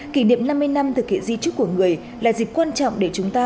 kỷ niệm năm mươi năm thực hiện di trúc của người là dịp quan trọng để chúng ta